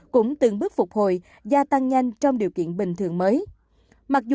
cũng từng bước phục hồi gia tăng nhanh trong điều kiện bình thường mới